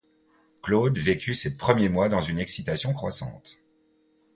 Claude vécut ces premiers mois dans une excitation croissante.